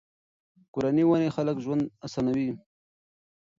کورني ونې د خلکو ژوند آسانوي.